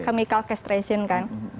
kemikal castration kan